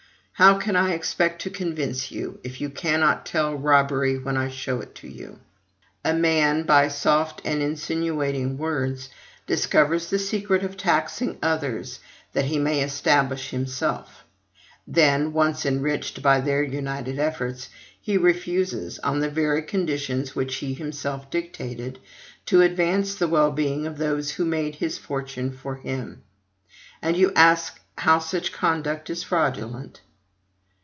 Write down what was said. how can I expect to convince you, if you cannot tell robbery when I show it to you? A man, by soft and insinuating words, discovers the secret of taxing others that he may establish himself; then, once enriched by their united efforts, he refuses, on the very conditions which he himself dictated, to advance the well being of those who made his fortune for him: and you ask how such conduct is fraudulent!